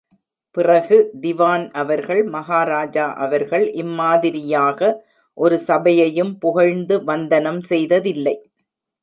பிறகு திவான் அவர்கள், மஹாராஜா அவர்கள் இம்மாதிரியாக ஒரு சபையையும் புகழ்ந்து வந்தனம் செய்ததில்லை.